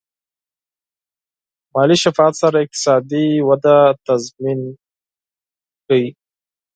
مالي شفافیت سره اقتصادي وده تضمین کړئ.